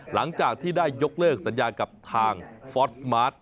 หลังจากที่ได้ยกเลิกสัญญากับทางฟอสสมาร์ท